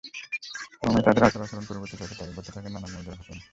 ক্রমেই তাদের আচরণ পরিবর্তন হতে থাকে, ঘটতে থাকে নানা মজার ঘটনা।